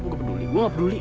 gue gak peduli gue gak peduli